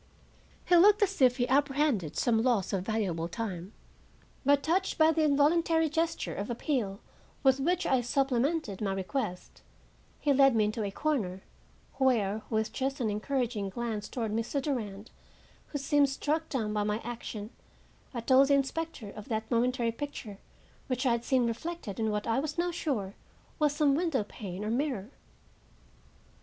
He looked as if he apprehended some loss of valuable time, but, touched by the involuntary gesture of appeal with which I supplemented my request, he led me into a corner, where, with just an encouraging glance toward Mr. Durand, who seemed struck dumb by my action, I told the inspector of that momentary picture which I had seen reflected in what I was now sure was some window pane or mirror.